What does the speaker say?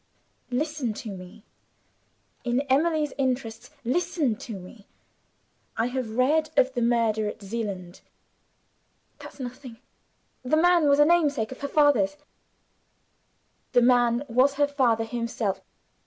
"Listen to me. In Emily's interests, listen to me. I have read of the murder at Zeeland " "That's nothing! The man was a namesake of her father." "The man was her father himself.